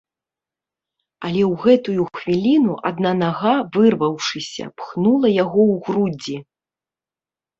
Але ў гэтую хвіліну адна нага, вырваўшыся, пхнула яго ў грудзі.